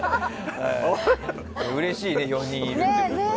うれしいね４人いるっていうのは。